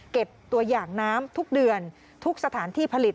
เก็บตัวอย่างน้ำทุกเดือนทุกสถานที่ผลิต